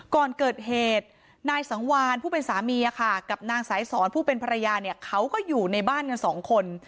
ก่อนเกิดเหตุนายสังวานผู้เป็นสามีกับนางสายสอนผู้เป็นภรรยาเนี่ยเขาก็อยู่ในบ้านกันสองคน